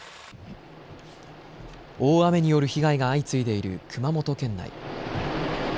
大雨による被害が相次いでいる熊本県内。